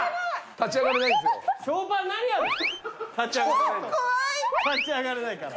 立ち上がれないから。